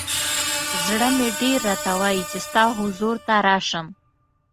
ز ړه مې ډېر راته وایی چې ستا حضور ته راشم.